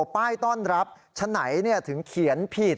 ป้ายต้อนรับฉะไหนถึงเขียนผิด